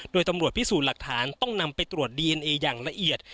โดยตำรวจพิสูจน์หลักฐานต้องนำไปตรวจดีเอ็นเออย่างละเอียด